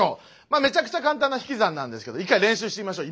めちゃくちゃ簡単な引き算なんですけど一回練習してみましょう。